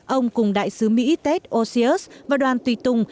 ông cùng đại sứ mỹ ted osius và đoàn tùy tùng